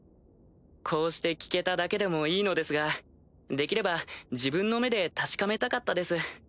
こうして聞けただけでもいいのですができれば自分の目で確かめたかったです。